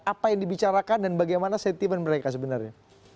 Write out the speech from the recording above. apa yang dibicarakan dan bagaimana sentimen mereka sebenarnya